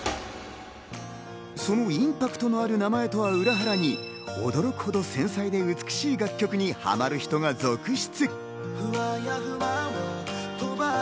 そのインパクトのある名前とは裏腹に驚くほど繊細で美しい楽曲にハマる人が続出。